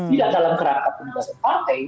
tidak dalam kerangka penugasan partai